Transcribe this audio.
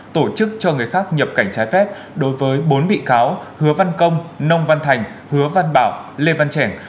tổ chức cho người khác nhập cảnh trái phép đối với bốn bị cáo hứa văn công nông văn thành hứa văn bảo lê văn trèn